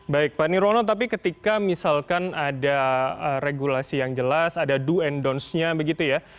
baik pak nirwono tapi ketika misalkan ada regulasi yang jelas ada do and ⁇ dont ⁇ nya begitu ya